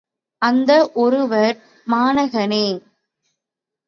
அந்த ஒருவர் மாணகனே!